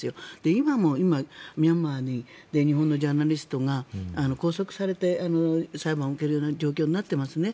今もミャンマーで日本のジャーナリストが拘束されて裁判を受けるような状況になっていますよね。